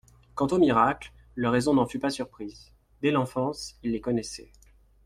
Quant aux miracles, leur raison n'en fut pas surprise ; dès l'enfance, ils les connaissaient.